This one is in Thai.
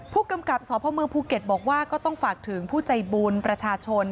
ผู้กำกับสพเมืองภูเก็ตบอกว่าก็ต้องฝากถึงผู้ใจบุญประชาชน